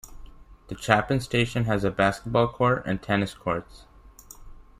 The Chapin Station has a basketball court and tennis courts.